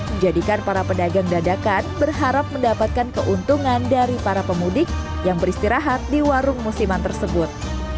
menjadikan para pedagang dadakan berharap mendapatkan keuntungan dari para pemudik yang beristirahat di warung musiman tersebut